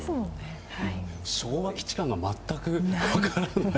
昭和基地感が全く分からない。